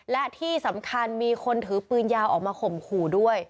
และที่สำคัญมีคนถือปืนยาวออกมาข่มขู่ด้วย